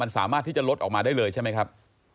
สามารถที่จะลดออกมาได้เลยใช่ไหมครับ